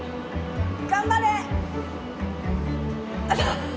頑張れ！